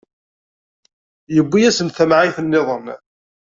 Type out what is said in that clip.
Iwwi-asen-d tamɛayt-nniḍen.